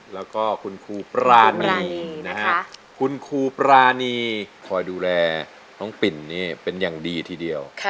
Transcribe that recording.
แล้วก็คุณครูปรานีนะฮะคุณครูปรานีคอยดูแลน้องปิ่นนี่เป็นอย่างดีทีเดียว